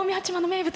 名物。